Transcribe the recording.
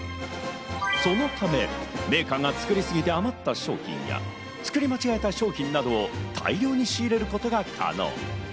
そのためメーカーが作りすぎて余った商品や作り間違えた商品などを大量に仕入れることが可能。